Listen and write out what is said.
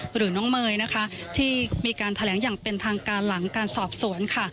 หรือน้องเมย์นะคะที่มีการแถลงอย่างเป็นทางการหลังการสอบสวนค่ะ